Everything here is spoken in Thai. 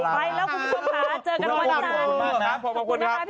ไปแล้วคุณผู้ชมค่ะเจอกันวันจันทร์